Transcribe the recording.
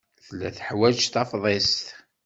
Tella teḥwaj tafḍist.